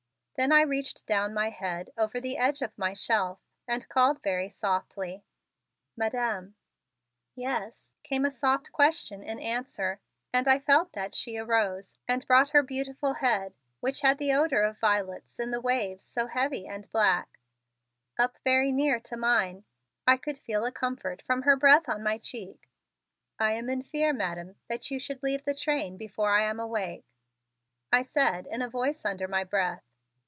Then I reached down my head over the edge of my shelf and called very softly: "Madam?" "Yes?" came a soft question in answer and I felt that she arose and brought her beautiful head which had the odor of violets in the waves so heavy and black, up very near to mine. I could feel a comfort from her breath on my cheek. "I am in fear, Madam, that you should leave the train before I am awake," I said in a voice under my breath.